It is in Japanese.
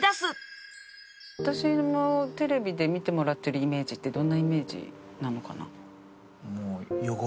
私のテレビで見てもらってるイメージってどんなイメージなのかな？